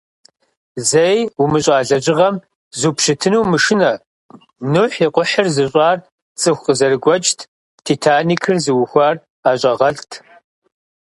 Зэи умыщӏа лэжьыгъэм зупщытыну умышынэ: Нухь и кхъухьыр зыщӏар цӏыху къызэрыгуэкӏт, «Титаникыр» зыухуар ӏэщӏагъэлӏт.